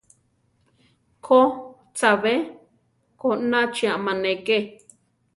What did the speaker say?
Ko, chabé konachi amáneke.